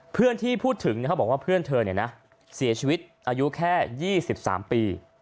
เพื่อนที่พูดถึงเขาบอกว่าเพื่อนเธอเสียชีวิตอายุแค่๒๓ปี